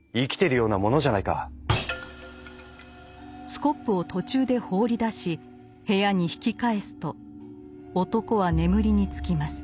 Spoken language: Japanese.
スコップを途中で放り出し部屋に引き返すと男は眠りにつきます。